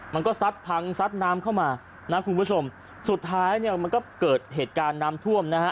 มันก็ซัดพังซัดน้ำเข้ามานะคุณผู้ชมสุดท้ายเนี่ยมันก็เกิดเหตุการณ์น้ำท่วมนะฮะ